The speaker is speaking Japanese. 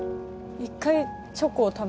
一回チョコを食べる。